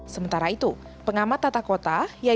sementara itu pengamat tatapnya pemprov dki jakarta